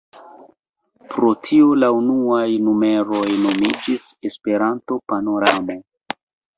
Pro tio la unuaj numeroj nomiĝis "Esperanto-Panoramo".